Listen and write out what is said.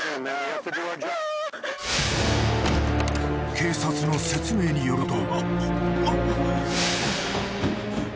［警察の説明によると］